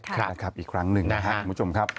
นะครับอีกครั้งหนึ่งคุณผู้ชมครับ